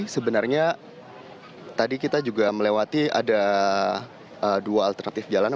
sebenarnya tadi kita juga melewati ada dua alternatif jalan